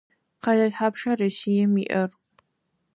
Къэлэ тхьапша Россием иӏэр?